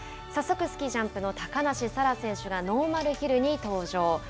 早速スキージャンプの高梨沙羅選手がノーマルヒルに登場。